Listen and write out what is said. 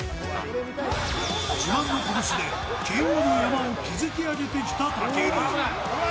自慢の拳でＫＯの山を築き上げてきた武尊。